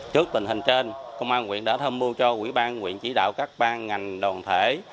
trước tình hình trên công an huyện đã thâm mưu cho quỹ ban huyện chỉ đạo các ban ngành đoàn thể